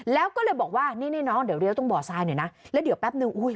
แล้วก็เลยบอกว่านี่นี่น้องเดี๋ยวเลี้ยตรงบ่อทรายหน่อยนะแล้วเดี๋ยวแป๊บนึงอุ้ย